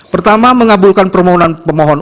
pertama mengabulkan permohonan pemohon